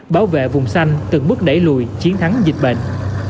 bảo vệ vùng xanh từng bước đẩy lùi chiến thắng dịch bệnh